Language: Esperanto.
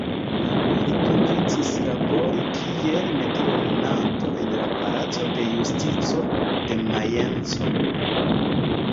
Li komencis labori kiel metilernanto en la palaco de Justico de Majenco.